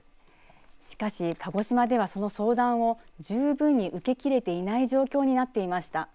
しかし、鹿児島では、その相談を十分に受けきれていない状況になっていました。